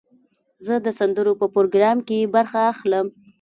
زه د سندرو په پروګرام کې برخه اخلم.